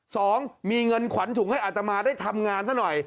สองมีเงินขวัญถุงให้อาตมาได้ทำงานซะหน่อย